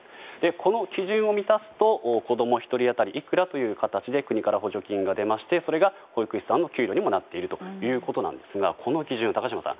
この基準を満たすと子供１人当たりいくらという形で国から補助金が出ましてそれが保育士さんの給料にもなっているということですがこの基準、高島さん